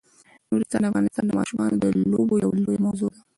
نورستان د افغانستان د ماشومانو د لوبو یوه لویه موضوع ده.